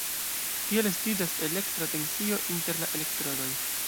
Tiel estiĝas elektra tensio inter la elektrodoj.